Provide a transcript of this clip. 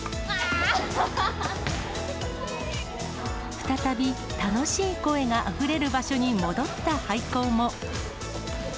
再び、楽しい声があふれる場所に戻った廃校も。